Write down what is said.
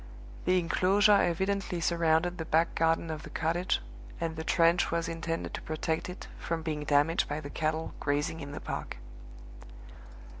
The inclosure evidently surrounded the back garden of the cottage, and the trench was intended to protect it from being damaged by the cattle grazing in the park.